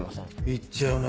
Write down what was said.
いっちゃうな